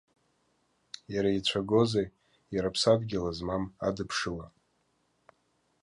Иара ицәагозеи, иара ԥсадгьыл змам, адыԥшыла!